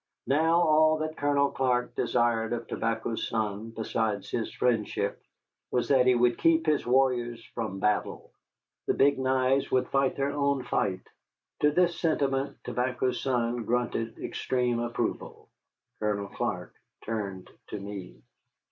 Now all that Colonel Clark desired of Tobacco's Son besides his friendship was that he would keep his warriors from battle. The Big Knives would fight their own fight. To this sentiment Tobacco's Son grunted extreme approval. Colonel Clark turned to me.